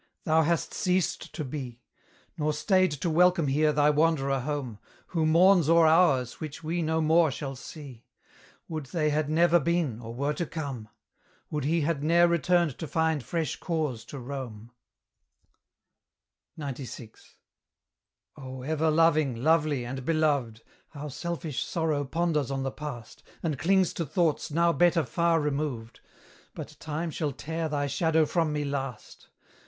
thou hast ceased to be! Nor stayed to welcome here thy wanderer home, Who mourns o'er hours which we no more shall see Would they had never been, or were to come! Would he had ne'er returned to find fresh cause to roam! XCVI. Oh! ever loving, lovely, and beloved! How selfish Sorrow ponders on the past, And clings to thoughts now better far removed! But Time shall tear thy shadow from me last.